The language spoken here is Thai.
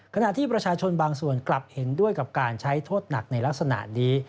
ขณะที่ประชาชนบางส่วนกลับเห็นด้วยกับการใช้โทษหนักในลักษณะนี้